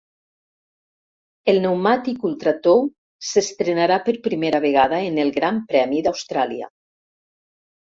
El pneumàtic ultra tou s'estrenarà per primera vegada en el Gran Premi d'Austràlia.